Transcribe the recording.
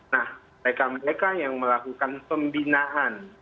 nah mereka mereka yang melakukan pembinaan